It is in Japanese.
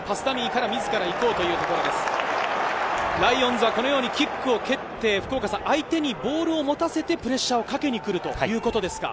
ライオンズはこのようにキックを蹴って、相手にボールを持たせてプレッシャーをかけに来るということですか？